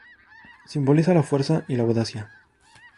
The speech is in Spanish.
Simboliza la fuerza y la audacia.